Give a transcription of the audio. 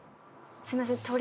すいません